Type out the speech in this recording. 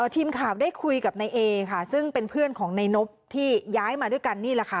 ทีมข่าวได้คุยกับนายเอค่ะซึ่งเป็นเพื่อนของนายนบที่ย้ายมาด้วยกันนี่แหละค่ะ